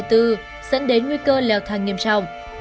dẫn đến nguy cơ leo thang nghiêm trọng